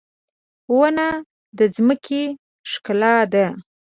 • ونه د ځمکې ښکلا ده.